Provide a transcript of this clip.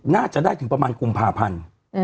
น่าจะได้ถึงประมาณกุมภาพันธ์